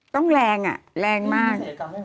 ต้องแรงอ่ะแรงมาก